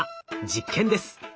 実験です。